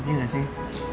iya gak sih